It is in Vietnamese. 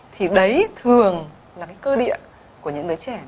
thì đấy thường là cái cơ địa của những đứa trẻ